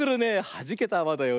はじけたあわだよ。